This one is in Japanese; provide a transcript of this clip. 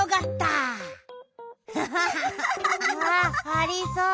あありそう。